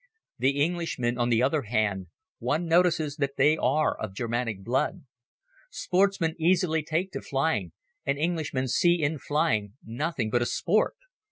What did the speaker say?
The Englishmen, on the other hand, one notices that they are of Germanic blood. Sportsmen easily take to flying, and Englishmen see in flying nothing but a sport.